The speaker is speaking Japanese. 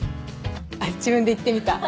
あっ自分で言ってみた